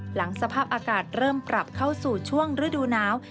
สภาพอากาศเริ่มปรับเข้าสู่ช่วงฤดูหนาว